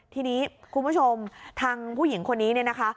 ทีนี้คุณผู้ชมทางผู้หญิงคนนี้เนี่ยนะคะ